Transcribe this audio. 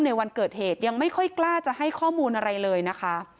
ในวันเกิดเหตุยังไม่ค่อยกล้าจะให้ข้อมูลอะไรเลยนะคะ